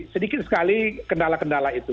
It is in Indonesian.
sedikit sekali kendala kendala itu